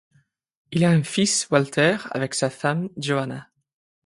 Il a un fils Walter avec sa femme Johanna.